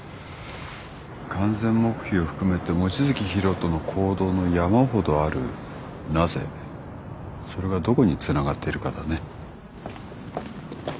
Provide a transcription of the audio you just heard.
完全黙秘を含めて望月博人の行動の山ほどある「なぜ」それがどこにつながってるかだね。